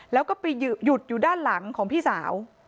แล้วก็ไปหยุดอยู่ด้านหลังของพี่สาว